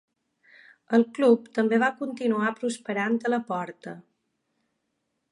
El club també va continuar prosperant a la porta.